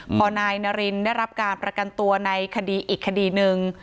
นะครับอยากให้มีการประกันตัวในคดีอีกความคิด